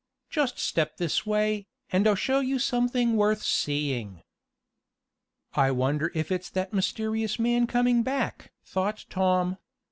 Just step this way, and I'll show you something worth seeing." "I wonder if it's that mysterious man coming back?" thought Tom.